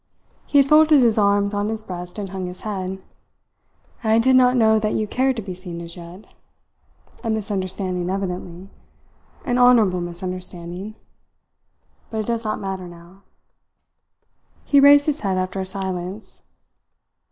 He had folded his arms on his breast and hung his head. "And I did not know that you cared to be seen as yet. A misunderstanding evidently. An honourable misunderstanding. But it does not matter now." He raised his head after a silence.